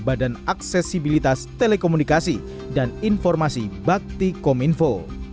badan aksesibilitas telekomunikasi dan informasi bakti kominfo